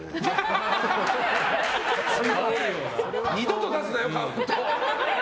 二度と出すなよ、カウント。